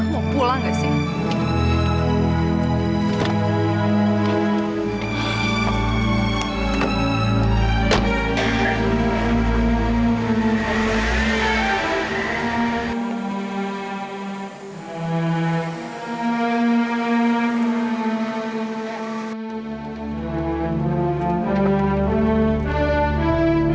mau pulang gak sih